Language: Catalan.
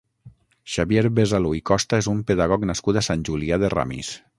Xavier Besalú i Costa és un pedagog nascut a Sant Julià de Ramis.